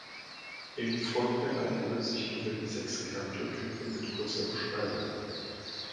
Im Folgenden eine Übersicht über die sechs Reaktortypen mit kurzer Beschreibung.